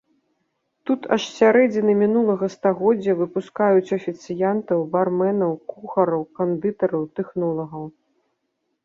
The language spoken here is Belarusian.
Тут аж з сярэдзіны мінулага стагоддзя выпускаюць афіцыянтаў, барменаў, кухараў, кандытараў, тэхнолагаў.